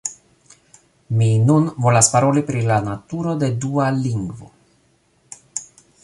Mi nun volas paroli pri la naturo de dua lingvo.